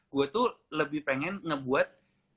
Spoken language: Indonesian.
gue tuh lebih pengen ngebuat